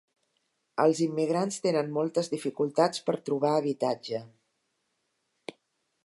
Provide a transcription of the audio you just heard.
Els immigrants tenen moltes dificultats per trobar habitatge.